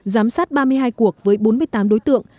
giám sát ba mươi hai cuộc với bốn mươi tám đối tượng